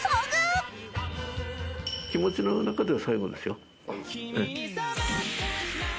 気持ちの中では最後ですよ。